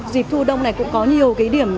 dịp thu đông này cũng có nhiều cái điểm